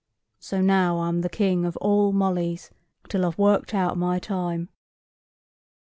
So now I'm the king of all mollys, till I've worked out my time."